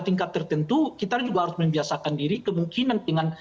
tingkat tertentu kita juga harus membiasakan diri kemungkinan dengan